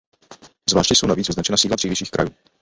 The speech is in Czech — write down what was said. Zvláště jsou navíc vyznačena sídla dřívějších krajů.